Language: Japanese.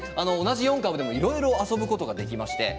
同じ４株でもいろいろ遊ぶことができます。